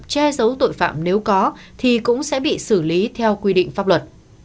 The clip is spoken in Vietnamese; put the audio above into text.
che giấu tội phạm nếu có thì cũng sẽ bị xử lý theo quy định pháp luật